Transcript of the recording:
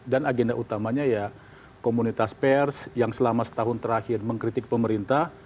dan agenda utamanya ya komunitas pers yang selama setahun terakhir mengkritik pemerintah